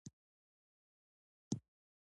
د هرزه بوټو پاکول فصل ته وده ورکوي.